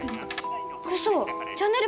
うそ、チャンネル